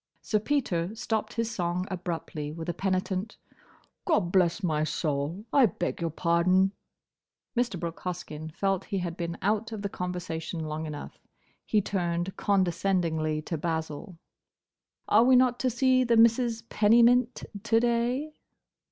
Sir Peter stopped his song abruptly, with a penitent, "Gobblessmysoul! I beg your pardon!" Mr. Brooke Hoskyn felt he had been out of the conversation long enough. He turned condescendingly to Basil. "Are we not to see the Misses Pennymint to day?"